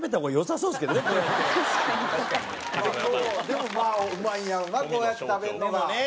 でもまあうまいんやろなこうやって食べるのが。